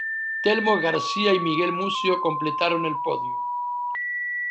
Telmo García y Miguel Mucio completaron el podio.